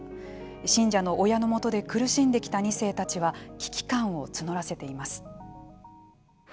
信者の親のもとで苦しんできた２世たちは危機感を募らせています。